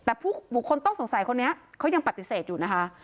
แต่ผู้บุคคลต้องสงสัยคนนี้เขายังปฏิเสธอยู่นะคะ